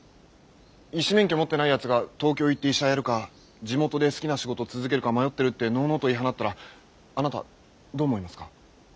医師免許持ってないやつが東京行って医者やるか地元で好きな仕事続けるか迷ってるってのうのうと言い放ったらあなたどう思いますか？